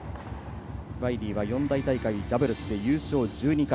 ワイリーは四大大会ダブルスで優勝１２回。